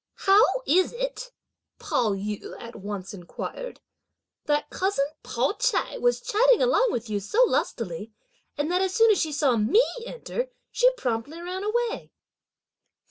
"How is it," Pao yü at once inquired, "that cousin Pao ch'ai was chatting along with you so lustily, and that as soon as she saw me enter, she promptly ran away?"